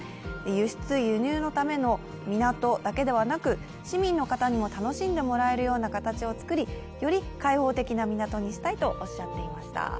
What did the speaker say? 輸出・輸入のための港だけではなく市民の方にも楽しんでもらえるような形を造り、より開放的な港にしたいとおっしゃっていました。